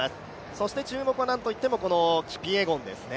そして、注目は何といってもキピエゴンですね。